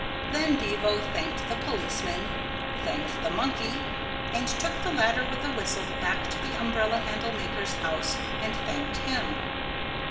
Then Bevo thanked the policeman, thanked the monkey, and took the ladder with the whistle back to the umbrella handle maker's house and thanked him.